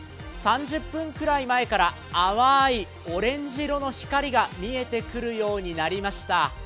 ３０分くらい前から淡いオレンジ色の光が見えてくるようになりました。